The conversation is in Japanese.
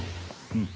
うん。